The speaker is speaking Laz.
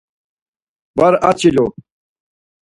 Var açilu.